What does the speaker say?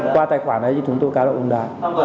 qua tài khoản đấy thì chúng tôi cá độ bóng đá